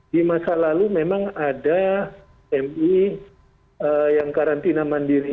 di masa lalu memang ada mui yang karantina mandiri